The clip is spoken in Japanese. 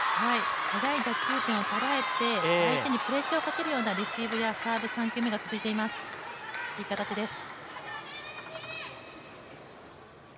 高い打球点を捉えて相手にプレッシャーをかけるレシーブが続いています、いい形です。